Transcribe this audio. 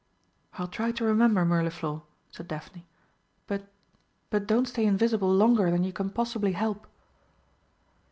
"I'll try to remember, Mirliflor," said Daphne. "But but don't stay invisible longer than you can possibly help."